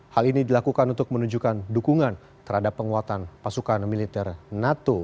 hal ini dilakukan untuk menunjukkan dukungan terhadap penguatan pasukan militer nato